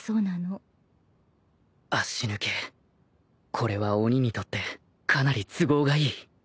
これは鬼にとってかなり都合がいい